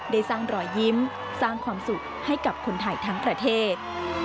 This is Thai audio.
ได้สร้างรอยยิ้มสร้างความสุขให้กับคนไทยทั้งประเทศ